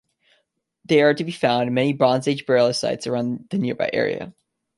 There are to be found, many Bronze Age burial sites around the nearby area.